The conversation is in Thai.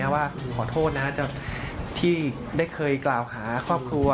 ว่าขอโทษนะจากที่ได้เคยกล่าวหาครอบครัว